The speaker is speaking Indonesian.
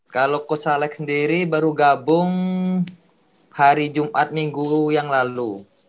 kalo coach alec sendiri baru gabung hari jumat minggu yang lalu